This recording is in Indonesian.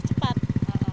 iya biar cepat